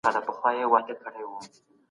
اقتصادي توازن بايد وساتل سي.